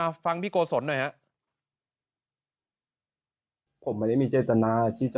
เอาฟังพี่โกศลหน่อยฮะ